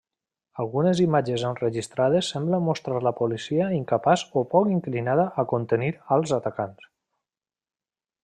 Algunes imatges enregistrades semblen mostrar la policia incapaç o poc inclinada a contenir als atacants.